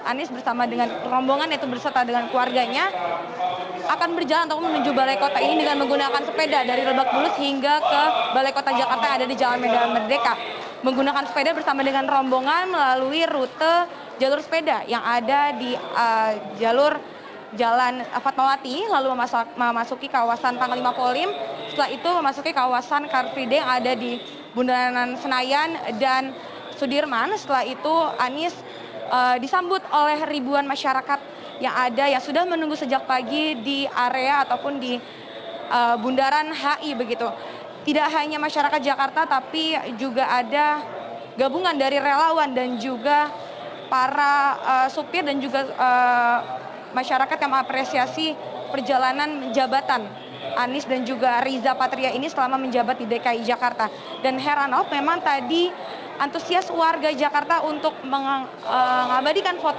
anies bersama dengan rombongan yaitu berserta dengan keluarganya akan berjalan menuju balai kota ini dengan menggunakan sepeda dari lebak pulus hingga ke balai kota jakarta yang ada di jalan medan merdeka